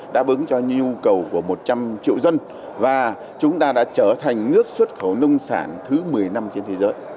đáp ứng cho nhu cầu của một trăm linh triệu dân và chúng ta đã trở thành nước xuất khẩu nông sản thứ một mươi năm trên thế giới